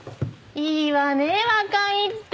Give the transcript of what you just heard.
いいわね若いって。